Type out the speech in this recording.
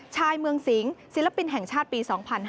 ชายเมืองสิงศ์ศิลปินแห่งชาติปี๒๕๕๙